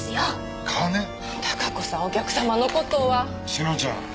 志乃ちゃん